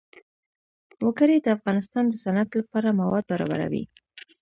وګړي د افغانستان د صنعت لپاره مواد برابروي.